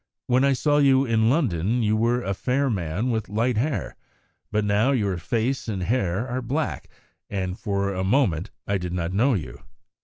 "When I saw you in London you were a fair man with light hair, but now your face and hair are black, and for the moment I did not know you.